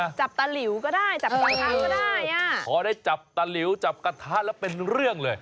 จับตาหลิวก็ได้จับกระทะก็ได้อ่ะพอได้จับตาหลิวจับกระทะแล้วเป็นเรื่องเลย